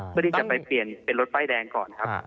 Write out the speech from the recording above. เพื่อที่จะไปเปลี่ยนเป็นรถป้ายแดงก่อนครับ